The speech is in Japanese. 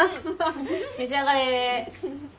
召し上がれ。